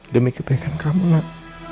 demi kebaikan kamu nak